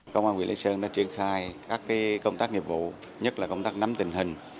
công an huyện lý sơn đã triển khai các công tác nghiệp vụ nhất là công tác nắm tình hình